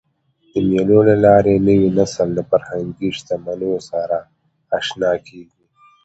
د مېلو له لاري نوی نسل له فرهنګي شتمنیو سره اشنا کېږي.